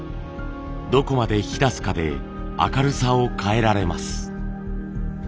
どこまで引き出すかで明るさを変えられます。